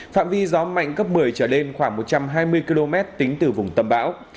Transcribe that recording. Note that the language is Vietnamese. phạm vi gió mạnh cấp một mươi trở lên khoảng một trăm hai mươi km tính từ vùng tâm bão